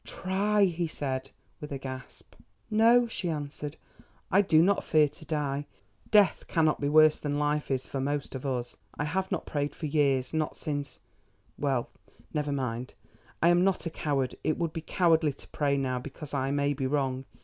"Try," he said with a gasp. "No," she answered, "I do not fear to die. Death cannot be worse than life is for most of us. I have not prayed for years, not since—well, never mind. I am not a coward. It would be cowardly to pray now because I may be wrong.